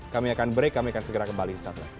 kami akan break kami akan segera kembali